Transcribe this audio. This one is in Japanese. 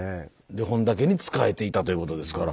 で本多家に仕えていたということですから。